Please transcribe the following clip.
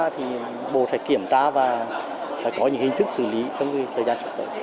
thì bộ phải kiểm tra và phải có những hình thức xử lý trong thời gian trước tới